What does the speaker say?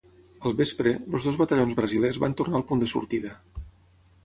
Al vespre, els dos batallons brasilers van tornar al punt de sortida.